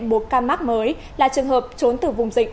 buộc ca mắc mới là trường hợp trốn từ vùng dịch